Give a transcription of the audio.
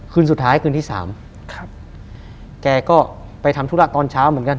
คืนสุดท้ายคืนที่สามครับแกก็ไปทำธุระตอนเช้าเหมือนกัน